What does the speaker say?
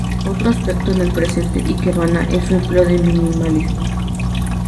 Otro aspecto en el presente ikebana es su empleo del minimalismo.